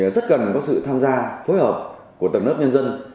rất cần có sự tham gia phối hợp của tầng lớp nhân dân